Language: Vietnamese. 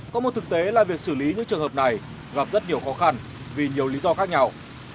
có một thực tế là việc xử lý những trường hợp này gặp rất nhiều khó khăn vì nhiều lý do khác nhau